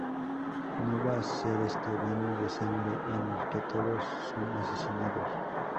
No va a ser este baño de sangre en el que todos son asesinados.